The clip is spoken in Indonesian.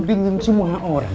semuanya veel sampai pulang